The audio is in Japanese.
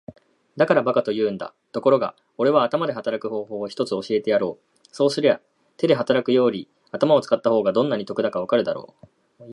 「だから馬鹿と言うんだ。ところがおれは頭で働く方法を一つ教えてやろう。そうすりゃ手で働くより頭を使った方がどんなに得だかわかるだろう。」